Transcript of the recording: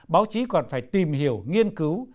báo chí còn phải tìm hiểu nghiên cứu